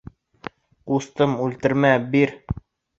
Ҡустым, үлтермә, бир!